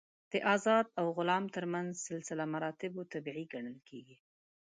د آزاد او غلام تر منځ سلسله مراتبو طبیعي ګڼل کېږي.